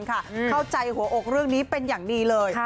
เข้าใจหัวอกเรื่องนี้เป็นอย่างดีเลย